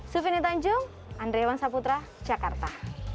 sufine tanjung andreawan saputra jakarta